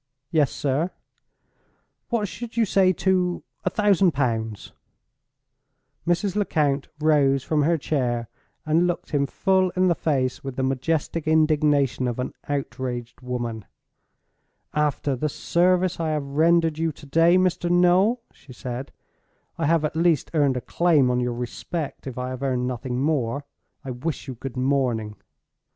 "Yes, sir?" "What should you say to—a thousand pounds?" Mrs. Lecount rose from her chair, and looked him full in the face, with the majestic indignation of an outraged woman. "After the service I have rendered you to day, Mr. Noel," she said, "I have at least earned a claim on your respect, if I have earned nothing more. I wish you good morning."